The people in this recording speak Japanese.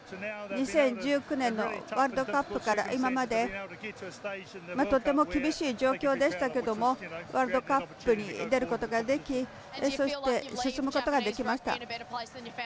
２０１９年のワールドカップから今までとても厳しい状況でしたけどワールドカップに出ることができそして、進むことができました。